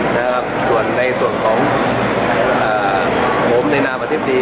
ในส่วนในโม่มดีนาภาษิตรี